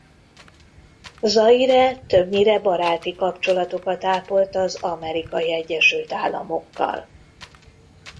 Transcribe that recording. Zaire többnyire baráti kapcsolatokat ápolt az Amerikai Egyesült Államokkal.